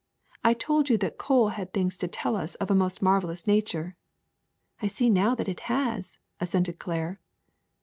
I told you that coal had things to tell us of a most marvelous nature. '' ''I see now that it has," assented Claire.